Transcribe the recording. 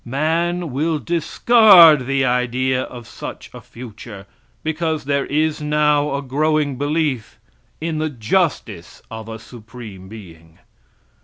Man will discard the idea of such a future because there is now a growing belief in the justice of a Supreme Being.